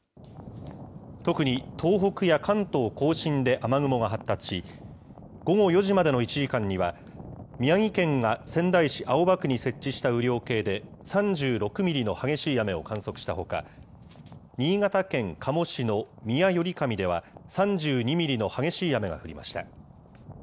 特に東北や関東甲信で雨雲が発達し、午後４時までの１時間には、宮城県が仙台市青葉区に設置した雨量計で３６ミリの激しい雨を観測したほか、新潟県加茂市の宮寄上では３２ミリの激しい雨が降りました。